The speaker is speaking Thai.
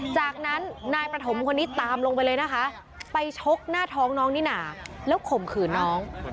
จากนั้นนายประถมคนนี้ตามลงไปเลยนะคะไปชกหน้าท้องน้องนิน่าแล้วข่มขืนน้อง